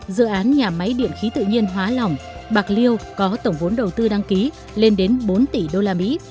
dự án nhà máy điện khí tự nhiên hóa lỏng bạc liêu có tổng vốn đầu tư đăng ký lên đến bốn tỷ usd